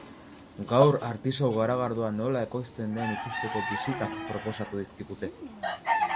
Gaur artisau garagardoa nola ekoizten den ikusteko bisitak proposatu dizkigute.